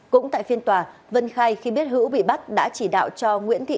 cũng tại phiên tòa vân khai khi biết hữu bị bắt đã chỉ đạo cho nguyễn thị